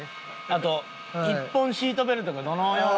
あと１本シートベルトがどのような。